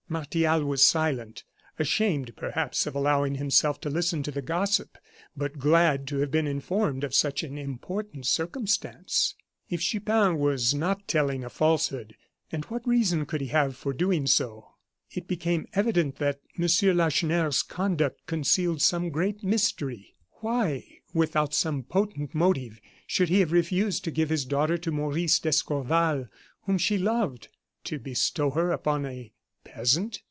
Martial was silent, ashamed, perhaps, of allowing himself to listen to the gossip, but glad to have been informed of such an important circumstance. If Chupin was not telling a falsehood and what reason could he have for doing so it became evident that M. Lacheneur's conduct concealed some great mystery. Why, without some potent motive, should he have refused to give his daughter to Maurice d'Escorval whom she loved, to bestow her upon a peasant?